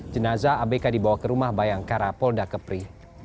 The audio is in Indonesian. jenazah abk dibawa ke rumah bayangkara polda kepri